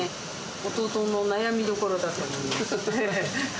弟の悩みどころだと思いますね。